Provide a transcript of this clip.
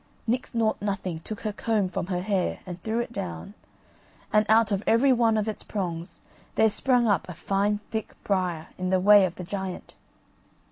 Nix Nought Nothing took her comb from her hair and threw it down, and out of every one of its prongs there sprung up a fine thick briar in the way of the giant.